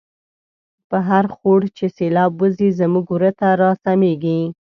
په هرخوړ چی سیلاب وزی، زمونږ وره ته را سمیږی